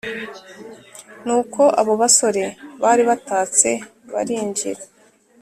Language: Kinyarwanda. nuko abo basore bari batatse barinjira